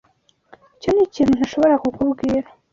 Icyo nikintu ntashobora kukubwira.